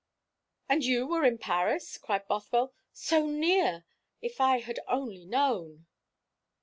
"And you were in Paris?" cried Bothwell. "So near! If I had only known!"